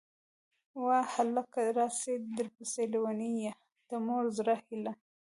واه هلکه!!! راسه درپسې لېونۍ يه ، د مور د زړه هيلهٔ